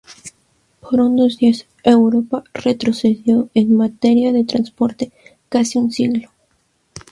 Por unos días Europa retrocedió, en materia de transportes, casi un siglo.